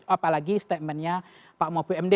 apalagi statementnya pak mahfu md